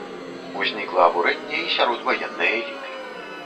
Узнікла абурэнне і сярод ваеннай эліты.